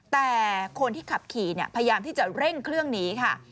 แต่คนที่ขับขี่พยายามที่จะเร่งเครื่องหนีค่ะ